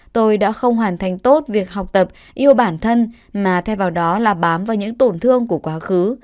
tôi đã không hoàn thành tốt việc học tập yêu bản thân mà thay vào đó là bám vào những tổn thương của quá khứ